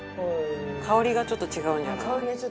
「香りがちょっと違うんじゃない？」